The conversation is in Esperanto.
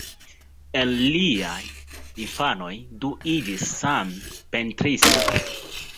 El liaj infanoj du iĝis same pentristo.